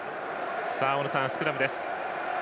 大野さん、スクラムです。